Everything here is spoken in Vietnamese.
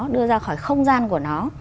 đưa ra khỏi không gian của nó